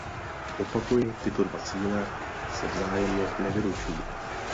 Opakuji, tyto dva cíle se vzájemně nevylučují.